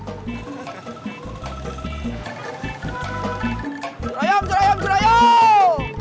cura yap cura yap cura yap